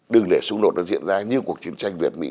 đừng để xung đột nó diễn ra như cuộc chiến tranh việt mỹ